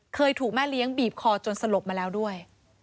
เคยถูกแม่เลี้ยงบีบคอจนสลบมาแล้วด้วย